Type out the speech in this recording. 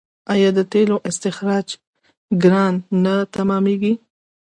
آیا د تیلو استخراج ګران نه تمامېږي؟